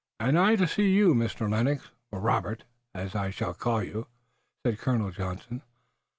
"And I to see you, Mr. Lennox, or Robert, as I shall call you," said Colonel Johnson.